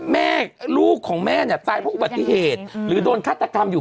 แม่ลูกของแม่เนี่ยตายเพราะอุบัติเหตุหรือโดนฆาตกรรมอยู่